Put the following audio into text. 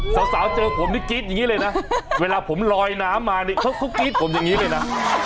สาวเจอผมนี่กรี๊ดอย่างนี้เลยนะเวลาผมลอยน้ำมานี่เขากรี๊ดผมอย่างนี้เลยนะ